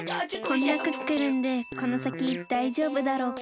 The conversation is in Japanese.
こんなクックルンでこのさきだいじょうぶだろうか。